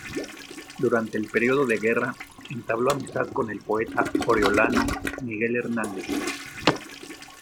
Durante el período de guerra, entabló amistad con el poeta oriolano Miguel Hernández.